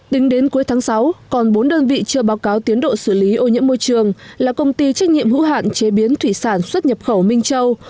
tính đến cuối tháng sáu còn bốn đơn vị chưa báo cáo tiến độ xử lý ô nhiễm môi trường là công ty trách nhiệm hữu hạn chế biến thủy sản xuất nhập khẩu minh châu